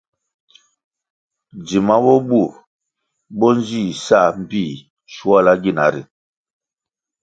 Djima bo bur bo nzih sa mbpih shuala gina ri.